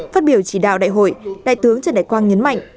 phát biểu chỉ đạo đại hội đại tướng trần đại quang nhấn mạnh